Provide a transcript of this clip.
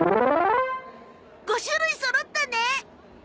５種類そろったね。